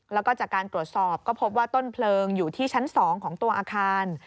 แล้วก็จากการตรวจสอบก็พบว่าต้นเพลิงอยู่ที่ชั้น๒ของตัวอาคาร